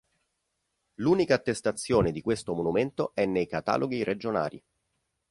L'unica attestazione di questo monumento è nei Cataloghi regionari.